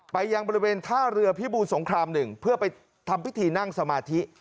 ยังบริเวณท่าเรือพิบูรสงคราม๑เพื่อไปทำพิธีนั่งสมาธิ